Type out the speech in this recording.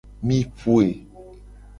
Mi poe.